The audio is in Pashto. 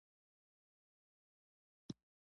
مصنوعي ځیرکتیا د انساني کیسې نوی فصل پرانیزي.